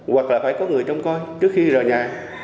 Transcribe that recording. hoặc là phải có người trông coi trước khi rời nhà